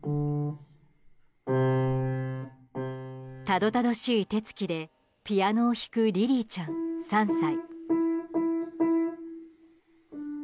たどたどしい手つきでピアノを弾くリリィちゃん、３歳。